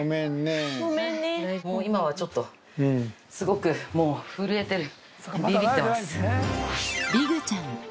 もう今はちょっとすごく震えてる。